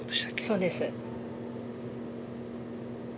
そうです。